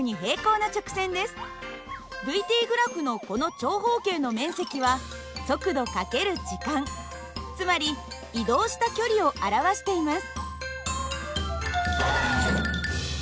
ｔグラフのこの長方形の面積は速度×時間つまり移動した距離を表しています。